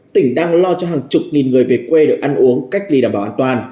tỉnh đang lo cho hàng chục nghìn người về quê được ăn uống cách ly đảm bảo an toàn